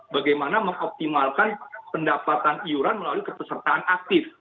bagaimana mengoptimalkan pendapatan iuran melalui kepesertaan aktif